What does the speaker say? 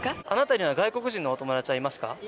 あなたには外国人のお友達はいますか？